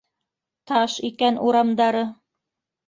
Таш икән урамдары